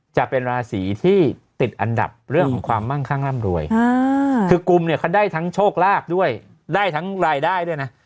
จะเป็นราศีที่ติดอันดับเรื่องของความมั่งข้างร่ำรวยคือกุมเนี่ยเขาได้ทั้งโชคลาภด้วยได้ทั้งรายได้ด้วยนะ